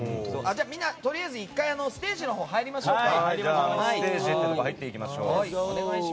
みんな、とりあえずステージのほうに入りましょうか。